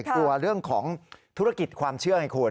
กลัวเรื่องของธุรกิจความเชื่อไงคุณ